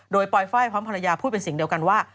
โดยปลอยไฟล์พร้อมภรรยาพูดเป็นเสียงเดียวกันว่า